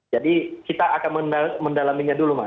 jadi kita akan mendalaminya dulu mas